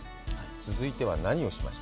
続いては何をしました？